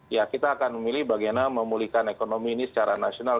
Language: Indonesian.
ya kita akan memilih bagaimana memulihkan ekonomi ini secara nasional